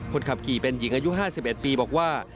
คนขับขี่เป็นหญิงอายุ๕๑ปีบอกว่า